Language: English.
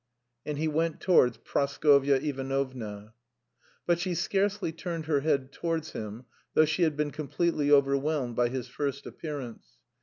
And he went towards Praskovya Ivanovna. But she scarcely turned her head towards him, though she had been completely overwhelmed by his first appearance.